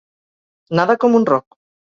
Nedar com un roc.